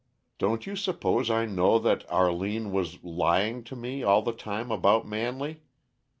Don't you suppose I know that Arline was lying to me all the time about Manley?